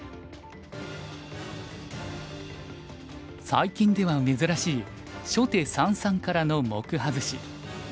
最近では珍しい初手三々からの目外し。